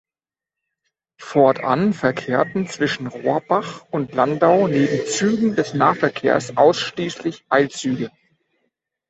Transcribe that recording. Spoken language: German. Fortan verkehrten zwischen Rohrbach und Landau neben Zügen des Nahverkehrs ausschließlich Eilzüge.